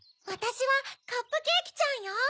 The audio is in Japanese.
わたしはカップケーキちゃんよ。